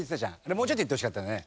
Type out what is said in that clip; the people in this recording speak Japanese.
もうちょっと言ってほしかったね。